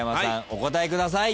お答えください。